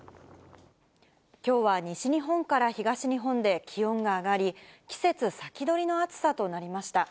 きょうは西日本から東日本で気温が上がり、季節先取りの暑さとなりました。